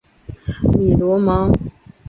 米罗蒙。